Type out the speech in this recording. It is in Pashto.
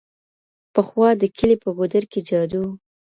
پخوا د كلي په گودر كي جـادو~